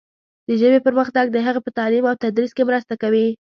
د ژبې پرمختګ د هغې په تعلیم او تدریس کې مرسته کوي.